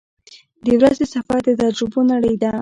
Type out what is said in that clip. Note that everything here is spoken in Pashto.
• د ورځې سفر د تجربو نړۍ ده.